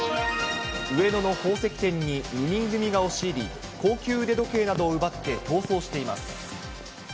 上野の宝石店に２人組が押し入り、高級腕時計などを奪って逃走しています。